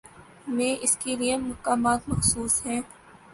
میں اس کے لیے مقامات مخصوص ہیں۔